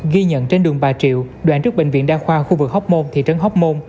ghi nhận trên đường bà triệu đoạn trước bệnh viện đa khoa khu vực hóc môn tp hcm